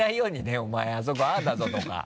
「お前あそこあぁだぞ」とか。